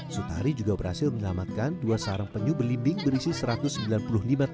sutari juga berhasil menyelamatkan dua sarang penyu berlimbing berisi satu ratus sembilan puluh liter